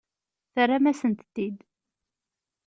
Terram-asen-tent-id.